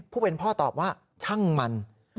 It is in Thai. ผู้เป็นพ่อตอบว่าช่างมัน